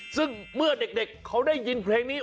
ซึ่งเมื่อเด็กเขาได้ยินเพลงนี้